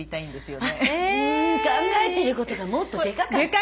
考えてることがもっとでかかった。